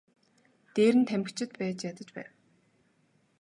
Дээр нь тамхичид байж ядаж байв.